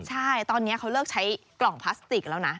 ใช่ตอนนี้เขาเลิกใช้กล่องพลาสติกแล้วนะ